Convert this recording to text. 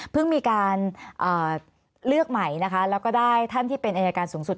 มีการเลือกใหม่นะคะแล้วก็ได้ท่านที่เป็นอายการสูงสุด